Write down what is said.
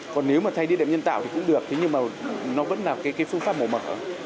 còn nếu mà thay địa điểm nhân tạo thì cũng được thế nhưng mà nó vẫn là cái phương pháp mổ mở